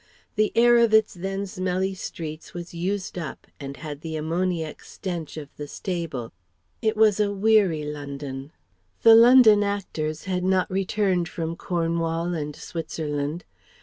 The air of its then smelly streets was used up and had the ammoniac strench of the stable. It was a weary London. The London actors had not returned from Cornwall and Switzerland.